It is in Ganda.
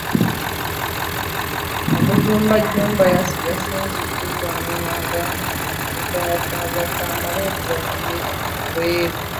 Omusumba Jjumba yasinzidde wano n'agamba nti okufa kwa Ffaaza Tamale kubakubye enkyukwe.